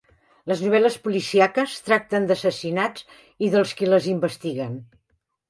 Les novel·les policíaques tracten d'assassinats i dels qui els investiguen.